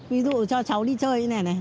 ví dụ cho cháu đi chơi như thế này